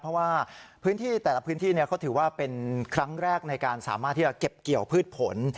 เพราะว่าพื้นที่แต่ละพื้นที่เขาถือว่าเป็นครั้งแรกในการสามารถที่จะเก็บเกี่ยวพืชผล